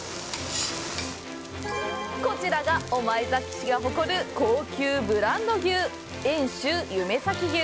こちらが、御前崎市が誇る高級ブランド牛、遠州夢咲牛。